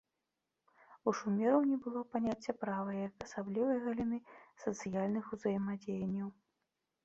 У шумераў не было паняцця права як асаблівай галіны сацыяльных узаемадзеянняў.